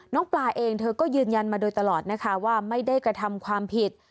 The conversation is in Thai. ปลาเองเธอก็ยืนยันมาโดยตลอดนะคะว่าไม่ได้กระทำความผิด